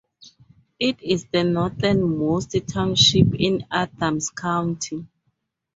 It is the northernmost township in Adams County.